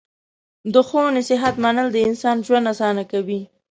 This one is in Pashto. د ښو نصیحت منل د انسان ژوند اسانه کوي.